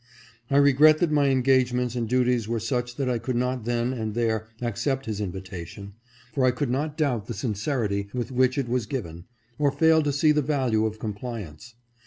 I regret that my engage ments and duties were such that I could not then and there accept his invitation, for I could not doubt the sin cerity with which it was given, or fail to see the value of compliance.